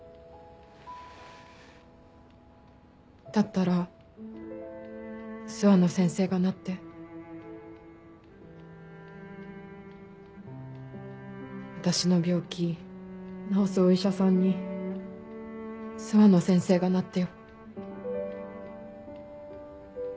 だったら諏訪野先生がなって。私の病気治すお医者さんに諏訪野先生がなってよ。